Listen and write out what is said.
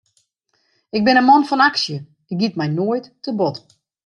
Ik bin in man fan aksje, it giet my noait te bot.